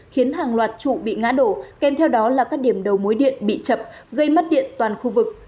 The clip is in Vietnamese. khiến hàng loạt trụ bị ngã đổ kèm theo đó là các điểm đầu mối điện bị chập gây mất điện toàn khu vực